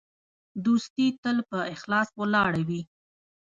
دوستي تل په اخلاص ولاړه وي.